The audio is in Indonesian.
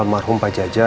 almarhum pak jajah